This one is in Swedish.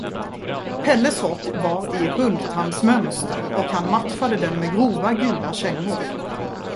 Pelles rock var i hundtandsmönster och han matchade den med grova, gula kängor.